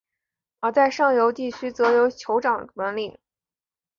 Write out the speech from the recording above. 而在上游地区则由酋长管领。